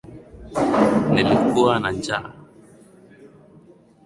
Nilikuwa na njaa.